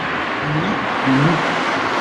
lui, il lut.